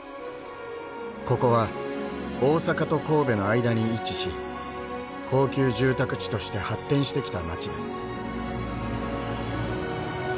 ここは大阪と神戸の間に位置し高級住宅地として発展してきた町です。